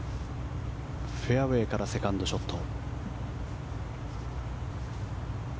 フェアウェーからセカンドショット。